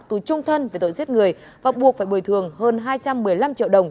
tù trung thân về tội giết người và buộc phải bồi thường hơn hai trăm một mươi năm triệu đồng